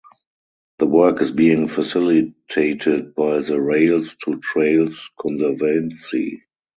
The work is being facilitated by the Rails to Trails Conservancy.